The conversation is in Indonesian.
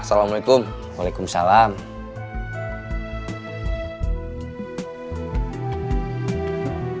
oke evaluasi berikut kualitasnya ya